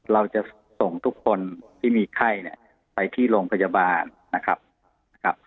เราจะส่งทุกคนที่มีไข้เนี่ยไปที่โรงพยาบาลนะครับ